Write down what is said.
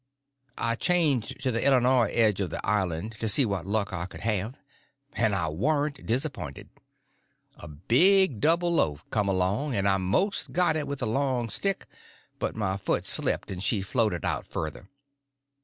I changed to the Illinois edge of the island to see what luck I could have, and I warn't disappointed. A big double loaf come along, and I most got it with a long stick, but my foot slipped and she floated out further.